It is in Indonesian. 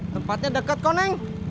tempatnya deket kok neng